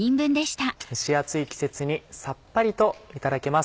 蒸し暑い季節にさっぱりといただけます。